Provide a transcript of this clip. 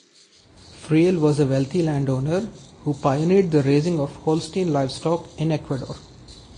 Freile was a wealthy landowner who pioneered the raising of Holstein livestock in Ecuador.